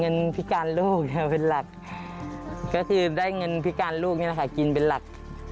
พิการลูกเป็นหลักก็คือได้เงินพิการลูกนี่แหละค่ะกินเป็นหลัก